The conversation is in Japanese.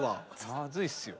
まずいっすよ。